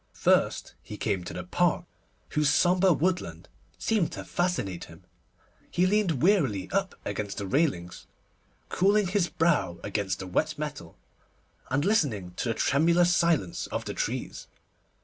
First he came to the Park, whose sombre woodland seemed to fascinate him. He leaned wearily up against the railings, cooling his brow against the wet metal, and listening to the tremulous silence of the trees.